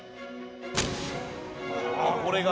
これが？